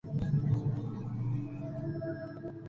La localidad tipo es: "Venezuela" sin localización exacta.